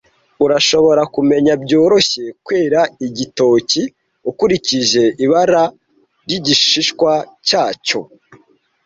Urashobora kumenya byoroshye kwera igitoki ukurikije ibara ryigishishwa cyacyo.